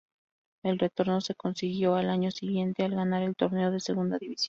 El retorno se consiguió al año siguiente, al ganar el torneo de Segunda División.